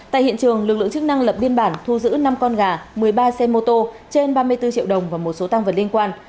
tại hiện trường lực lượng chức năng lập biên bản thu giữ năm con gà một mươi ba xe mô tô trên ba mươi bốn triệu đồng và một số tăng vật liên quan